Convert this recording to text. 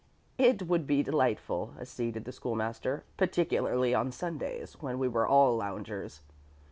"It would be delightful," acceded the School master, "particularly on Sundays, when they were all loungers."